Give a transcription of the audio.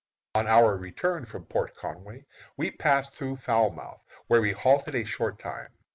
On our return from Port Conway we passed through Falmouth, where we halted a short time.